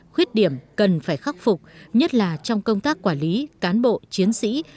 khuyết điểm cần phải khắc phục nhất là trong công tác quản lý cán bộ chiến sĩ